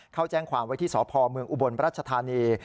เข้าแจ้งความไว้ที่สพเมืองอุบลรัชธานี